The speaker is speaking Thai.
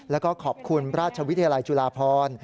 แล้วก็ขอบคุณราชวิทยาลัยจุฬาพร